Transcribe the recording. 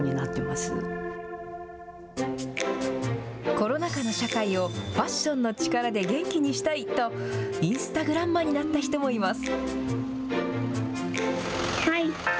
コロナ禍の社会をファッションの力で元気にしたいとインスタグランマになった人もいます。